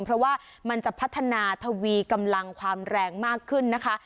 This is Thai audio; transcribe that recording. เพราะว่ามันจะพัฒนาทวีกำลังความแรงมากขึ้นนะคะ